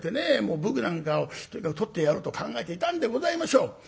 武具なんかをとにかくとってやろうと考えていたんでございましょう。